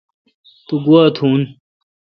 تو گوا تون؟